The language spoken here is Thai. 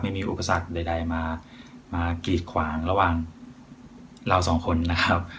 อุปสรรคใดมากีดขวางระหว่างเราสองคนนะครับ